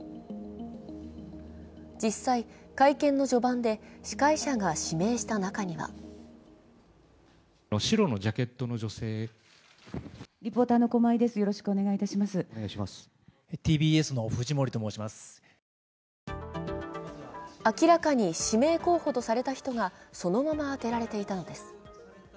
実際、会見の序盤で司会者が指名した中には明らかに指名候補とされた人がそのまま当てられていたのです。